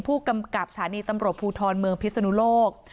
ผู้กำกับสถานีตำรวจภูทรเมืองพิศนุโลก